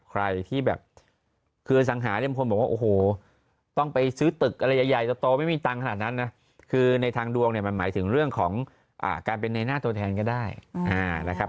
ใครที่แบบคือสังหาเนี่ยบางคนบอกว่าโอ้โหต้องไปซื้อตึกอะไรใหญ่โตไม่มีตังค์ขนาดนั้นนะคือในทางดวงเนี่ยมันหมายถึงเรื่องของการเป็นในหน้าตัวแทนก็ได้นะครับ